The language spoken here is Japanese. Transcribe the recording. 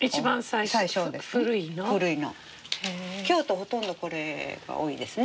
ほとんどこれが多いですね。